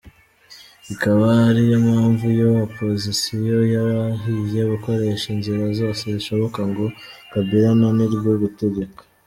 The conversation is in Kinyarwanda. Ikaba ariyo mpamvu iyo opozisiyo yarahiye gukoresha inzira zose zishoboka ngo Kabila ananirwe gutegeka.